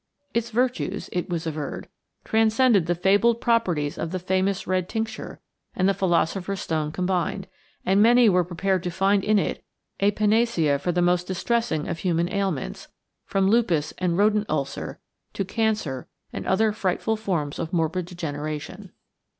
Its virtues, it was averred, transcended the fabled properties of the famous red tincture and the philosopher's stone combined, and many were prepared to find in it a panacea for the most distressing of human ailments, from lupus and rodent ulcer to cancer and other frightful forms of morbid degeneration.